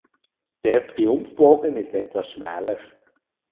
Der Triumphbogen ist etwas schmäler.